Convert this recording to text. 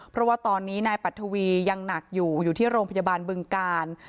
เพราะว่าตอนนี้นายปัทวียังหนักอยู่อยู่ที่โรงพยาบาลบึงกาล